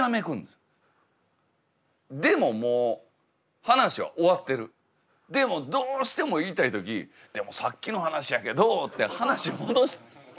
でももう話は終わってるでもどうしても言いたい時「でもさっきの話やけど」って話を戻し。